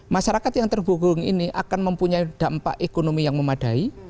masyarakat yang terhubung ini akan mempunyai dampak ekonomi yang memadai